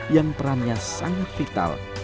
ia berhasil merekrut beberapa anggota untuk menjaga sungai